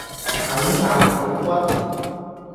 狗咬狗骨